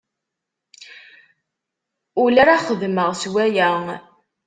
Ula ara xedmeɣ s waya.